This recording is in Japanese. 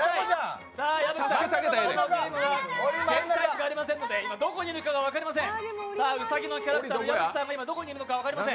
このゲームは全体図がありませんので今、どこにいるかが分かりません。